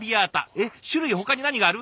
えっ種類ほかに何がある？